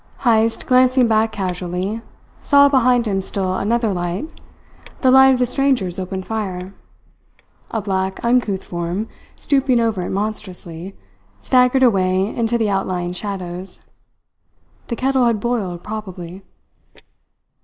Heyst, glancing back casually, saw behind him still another light the light of the strangers' open fire. A black, uncouth form, stooping over it monstrously, staggered away into the outlying shadows. The kettle had boiled, probably.